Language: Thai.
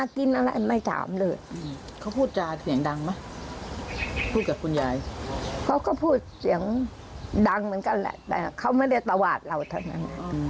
เขาก็พูดเสียงดังเหมือนกันแหละแต่เขาไม่ได้ตวาดเราเท่านั้น